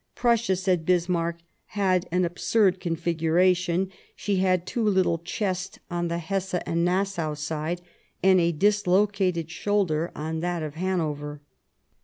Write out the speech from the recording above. " Prussia," said Bismarck, "had an absurd configuration ; she had too little chest on the Hesse and Nassau side, and a dislocated shoulder on that of Hanover."